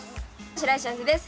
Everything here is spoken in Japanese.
白石あんずです。